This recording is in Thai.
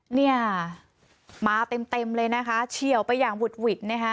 เนี่ยหมาเต็มเลยนะคะเฉียวไปอย่างหวุดนะคะ